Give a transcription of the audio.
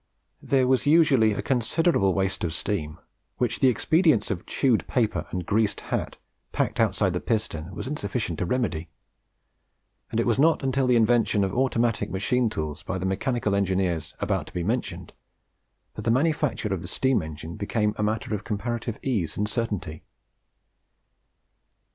There was usually a considerable waste of steam, which the expedients of chewed paper and greased hat packed outside the piston were insufficient to remedy; and it was not until the invention of automatic machine tools by the mechanical engineers about to be mentioned, that the manufacture of the steam engine became a matter of comparative ease and certainty.